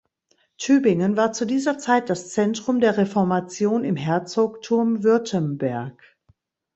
Tübingen war zu dieser Zeit das Zentrum der Reformation im Herzogtum Württemberg.